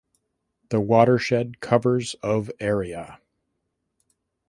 The watershed covers of area.